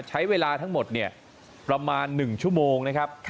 ใช้เวลาทั้งหมดประมาณ๑ชั่วโมงนะครับ